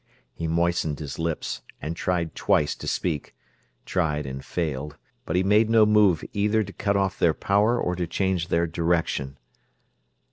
He moistened his lips and tried twice to speak tried and failed: but he made no move either to cut off their power or to change their direction.